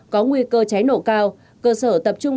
có nguy cơ cháy nổ cao cơ sở tập trung